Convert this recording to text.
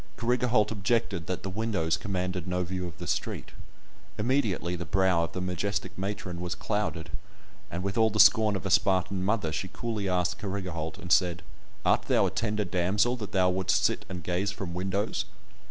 Carrigaholt objected that the windows commanded no view of the street. Immediately the brow of the majestic matron was clouded, and with all the scorn of a Spartan mother she coolly asked Carrigaholt, and said, "Art thou a tender damsel that thou wouldst sit and gaze from windows?"